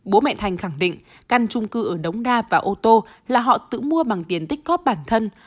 bố mẹ thành khẳng định căn trung cư ở đống đa và ô tô là họ tự mua bằng tiền tích cóp bản thân